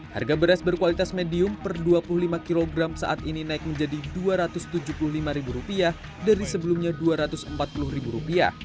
harga beras berkualitas medium per dua puluh lima kg saat ini naik menjadi rp dua ratus tujuh puluh lima dari sebelumnya rp dua ratus empat puluh